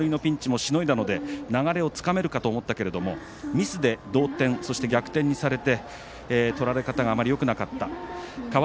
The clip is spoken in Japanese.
先制できて主導権が握れそうになって相手の満塁のピンチもしのいだので流れをつかめるかと思ったけどもミスで同点、そして逆転にされて取られ方があまりよくなかった。